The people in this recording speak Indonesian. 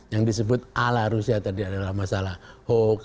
yang disebut ala rusia tadi adalah masalah hoax